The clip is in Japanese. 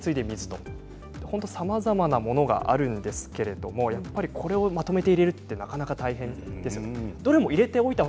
１位は食料次いで水さまざまなものがあるんですけれども、これをまとめて入れるのはなかなか大変ですよね。